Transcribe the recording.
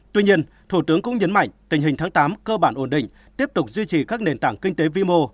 tuy nhiên thủ tướng cũng nhấn mạnh tình hình tháng tám cơ bản ổn định tiếp tục duy trì các nền tảng kinh tế vĩ mô